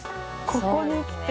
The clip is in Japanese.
ここに来て。